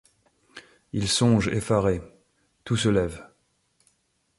Il songe effaré ! -Tout se lève